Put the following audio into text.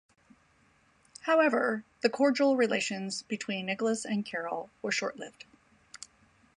However, the cordial relations between Nicholas and Carol were short-lived.